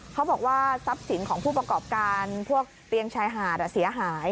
เขาบอกว่าทรัพย์สินของผู้ประกอบการพวกเตียงชายหาดเสียหาย